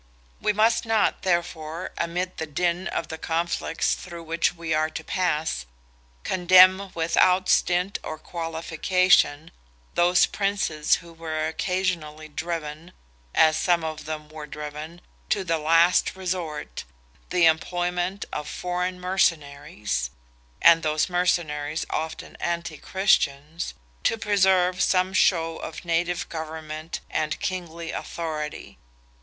We must not, therefore, amid the din of the conflicts through which we are to pass, condemn without stint or qualification those Princes who were occasionally driven—as some of them were driven—to that last resort, the employment of foreign mercenaries (and those mercenaries often anti Christians,) to preserve some show of native government and kingly authority.